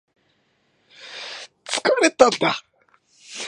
疲れたんだ